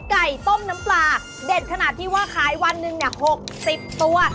ไก่ต้มน้ำปลาเด็ดขนาดที่ว่าขายวันหนึ่ง๖๐ตัว